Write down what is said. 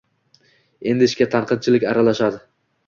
Endi ishga tanqidchilik aralashadi